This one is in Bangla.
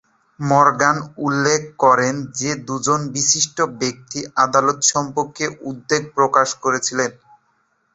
মরগান উল্লেখ করেন যে দুজন বিশিষ্ট ব্যক্তি আদালত সম্পর্কে উদ্বেগ প্রকাশ করেছিলেন।